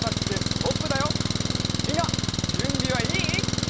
みんなじゅんびはいい？